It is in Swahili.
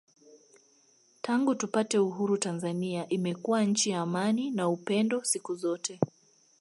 Tangu tupate Uhuru Tanzania imekuwa nchi ya amani na upendo siku zote